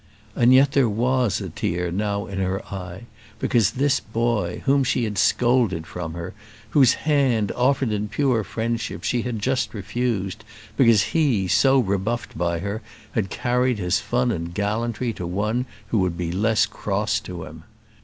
And yet there was a tear now in her eye because this boy, whom she had scolded from her, whose hand, offered in pure friendship, she had just refused, because he, so rebuffed by her, had carried his fun and gallantry to one who would be less cross to him!